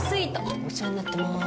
お世話になってます。